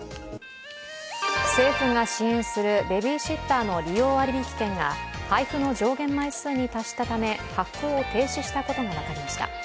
政府が支援するベビーシッターの利用割引券が配布の上限枚数に達したため、発行を停止したことが分かりました。